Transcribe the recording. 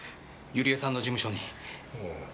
ユリエさんの事務所に。